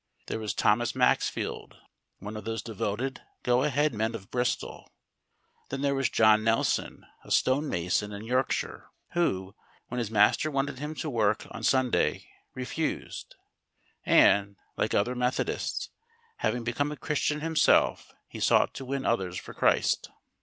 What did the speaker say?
There was Thomas Maxfield, one of those devoted, go a head men of Bristol; then there was John Nelson, a stone mason, in Yorkshire, who, when his master wanted him to work on Sunday, refused; and, like other Methodists, having become a Christian himself he sought to win others for Christ.